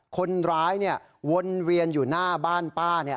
คนร้ายเนี่ยวนเวียนอยู่หน้าบ้านป้า